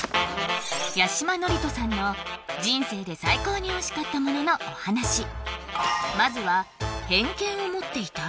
八嶋智人さんの人生で最高においしかったもののお話まずは偏見を持っていた？